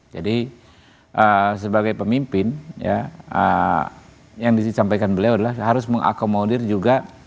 jadi sebagai pemimpin yang disampaikan beliau adalah harus mengakomodir juga